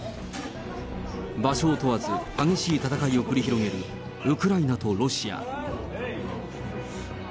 場所を問わず、激しい戦いを繰り広げる、ウクライナとロシア。